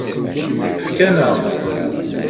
Fkant-aɣ-t.